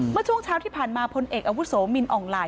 เมื่อช่วงเช้าที่ผ่านมาพลเอกอาวุโสมินอ่องลาย